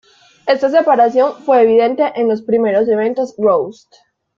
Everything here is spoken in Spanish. Esta separación fue evidente en los primeros eventos Roast.